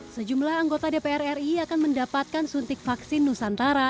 sejumlah anggota dpr ri akan mendapatkan suntik vaksin nusantara